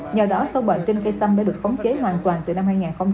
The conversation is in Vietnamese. nhờ đó sâu bệnh trên cây xăm đã được khống chế hoàn toàn từ năm hai nghìn hai mươi hai